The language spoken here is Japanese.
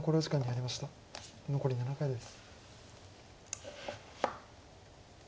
残り７回です。